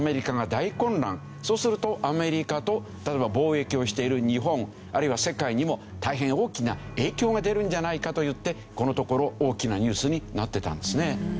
そうするとアメリカと例えば貿易をしている日本あるいは世界にも大変大きな影響が出るんじゃないかといってこのところ大きなニュースになってたんですね。